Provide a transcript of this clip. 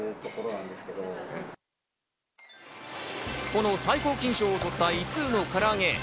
この最高金賞を取ったイスウの唐揚げ。